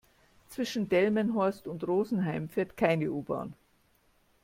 Zwischen Delmenhorst und Rosenheim fährt keine U-Bahn